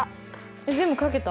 えっ全部書けた？